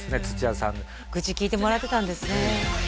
土屋さん愚痴聞いてもらってたんですね